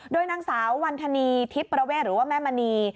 โดยนางสาววันธนีทิพย์ประเวทหรือว่าแม่มณี